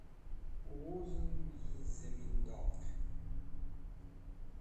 Wuzem yi Zamindor